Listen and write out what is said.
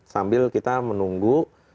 sambil kita menunggu